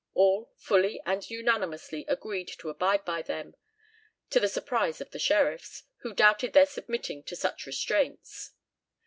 All "fully and unanimously" agreed to abide by them, to the surprise of the sheriffs, who doubted their submitting to such restraints.